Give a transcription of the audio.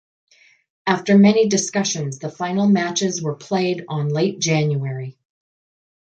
After many discussions the final matches were played on late January.